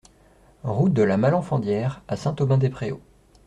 Route de la Malenfandière à Saint-Aubin-des-Préaux